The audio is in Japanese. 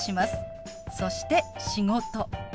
そして「仕事」。